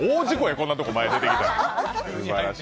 こんなとこ前に出てきたら！